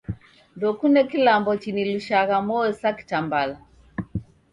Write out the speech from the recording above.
Ndokune kilambo chinilushagha moyo sa kitambala.